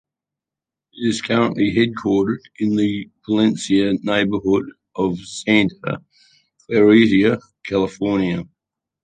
It is currently headquartered in the Valencia neighborhood of Santa Clarita, California.